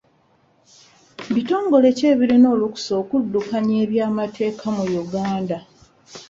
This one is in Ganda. Bitongole ki ebirina olukusa okuddukanya eby'amateeka mu Uganda?